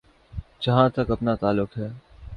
جہاں تک اپنا تعلق ہے۔